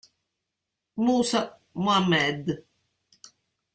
Musa Mohammed